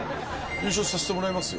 優勝させてもらいますよ。